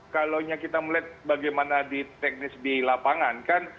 kalau kita melihat bagaimana teknis di lapangan kan